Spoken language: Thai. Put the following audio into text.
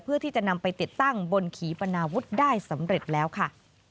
เพื่อที่จะนำไปติดตั้งบนขีปนาวุฒิได้สำเร็จแล้วค่ะ